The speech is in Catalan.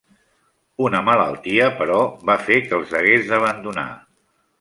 Una malaltia, però, va fer que els hagués d'abandonar.